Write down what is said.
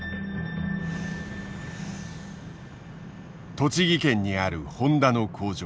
栃木県にあるホンダの工場。